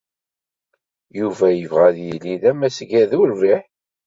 Yuba yebɣa ad yili d amasgad urbiḥ.